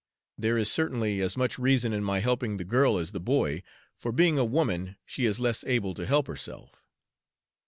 There is certainly as much reason in my helping the girl as the boy, for being a woman, she is less able to help herself."